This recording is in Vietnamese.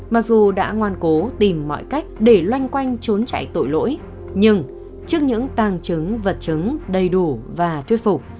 mặc dù đã ngoan cố tìm mọi cách để loanh quanh trốn chạy tội lỗi nhưng trước những tàng chứng vật chứng đầy đủ và thuyết phục